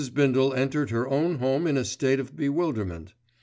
Bindle entered her own home in a state of bewilderment.